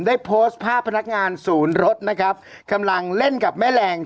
ได้โพสต์ภาพพนักงานศูนย์รถนะครับกำลังเล่นกับแม่แรง